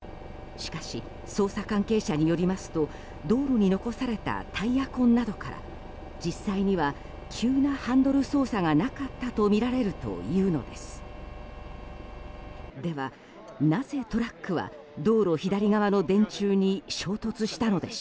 しかし捜査関係者によりますと道路に残されたタイヤ痕などから実際には、急なハンドル操作がなかったとみられるということです。